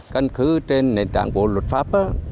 căn cứ trên nền tảng của luật pháp